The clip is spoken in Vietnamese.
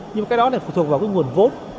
nhưng cái đó lại phụ thuộc vào cái nguồn vốt